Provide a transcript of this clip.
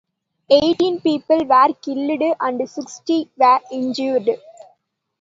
Eighteen people were killed and sixty were injured.